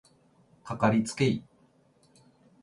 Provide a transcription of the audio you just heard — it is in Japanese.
かかりつけ医